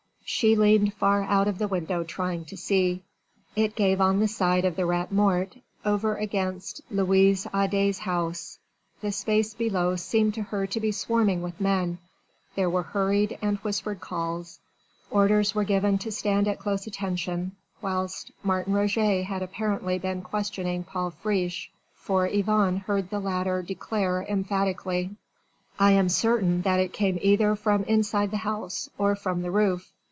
She leaned far out of the window trying to see. It gave on the side of the Rat Mort over against Louise Adet's house the space below seemed to her to be swarming with men: there were hurried and whispered calls orders were given to stand at close attention, whilst Martin Roget had apparently been questioning Paul Friche, for Yvonne heard the latter declare emphatically: "I am certain that it came either from inside the house or from the roof.